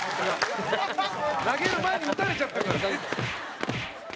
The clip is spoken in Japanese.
「投げる前に打たれちゃってるから」